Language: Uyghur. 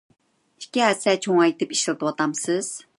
ئىككى ھەسسە چوڭايتىپ ئىشلىتىۋاتامسىز؟